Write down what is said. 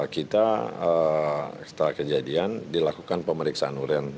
kita setelah kejadian dilakukan pemeriksaan uren